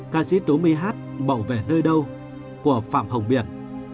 ca sĩ tú my hát bảo vệ nơi đâu của phạm hồng biển